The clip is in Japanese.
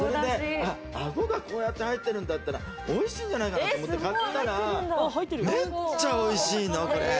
あごが、こうやって入ってるんだったら、おいしいんじゃないかなと思って買ったら、めっちゃおいしいの、これ。